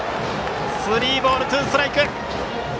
スリーボール、ツーストライク！